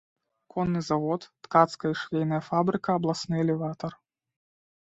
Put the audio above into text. Конны завод, ткацкая і швейная фабрыка, абласны элеватар.